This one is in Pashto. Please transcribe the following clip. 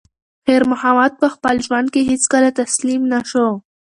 خیر محمد په خپل ژوند کې هیڅکله تسلیم نه شو.